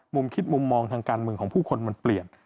มุมคิดมุมมองทางการเมืองของผู้คนมันเปลี่ยน